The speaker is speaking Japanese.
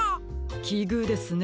きぐうですね